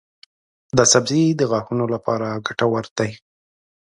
دا سبزی د غاښونو لپاره ګټور دی.